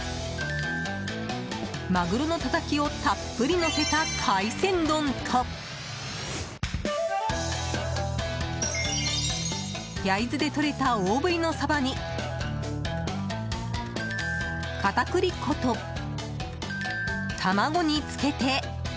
マグロのたたきをたっぷりのせた海鮮丼と焼津でとれた大ぶりのサバに片栗粉と卵につけて。